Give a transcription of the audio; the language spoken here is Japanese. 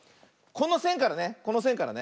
このせんからねこのせんからね。